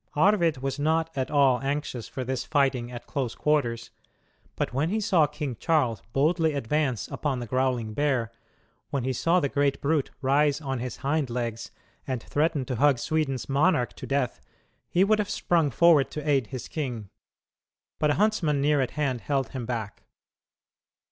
Arvid was not at all anxious for this fighting at close quarters, but when he saw King Charles boldly advance upon the growling bear, when he saw the great brute rise on his hind legs and threaten to hug Sweden's monarch to death, he would have sprung forward to aid his king. But a huntsman near at hand held him back.